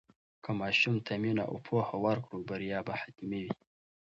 که ماشوم ته مینه او پوهه ورکړو، بریا به حتمي وي.